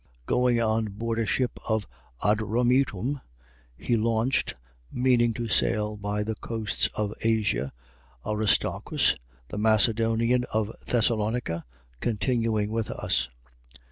Going on board a ship of Adrumetum, we launched, meaning to sail by the coasts of Asia, Aristarchus, the Macedonian of Thessalonica, continuing with us.